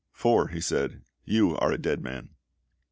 "For," he said, "you are a dead man."